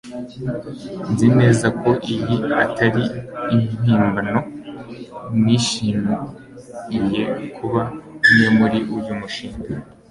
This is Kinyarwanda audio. Nzi neza ko iyi atari impimbano. Nishimiye kuba umwe muri uyu mushinga